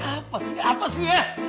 apa sih apa sih ya